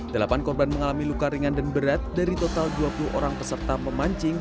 delapan korban mengalami luka ringan dan berat dari total dua puluh orang peserta pemancing